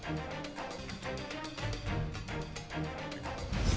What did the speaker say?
โอโฮ